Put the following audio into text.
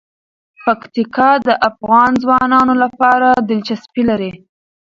پکتیکا د افغان ځوانانو لپاره دلچسپي لري.